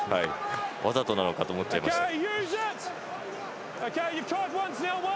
わざとなのかと思っちゃいましたけど。